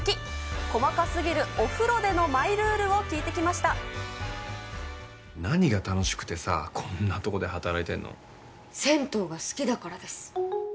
細かすぎるお風呂でのマイルール何が楽しくてさ、こんなとこ銭湯が好きだからです。